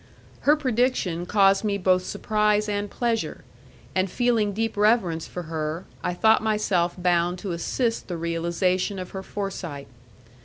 Her prediction caused me both surprise and pleasure, and feeling deep reverence for her, I thought myself bound to assist the realization of her foresight.